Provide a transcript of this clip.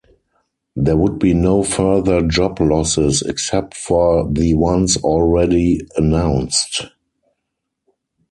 There would be no further job losses, except for the ones already announced.